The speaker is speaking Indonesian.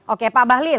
oke pak bahlil